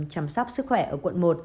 chăm sóc sức khỏe ở quận một